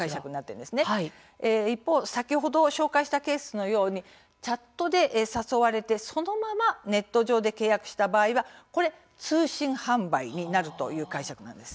ところが先ほど紹介したケースのようにチャットで誘われてそのままネット上で契約した場合通信販売になるという解釈なんです。